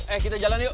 eh kita jalan yuk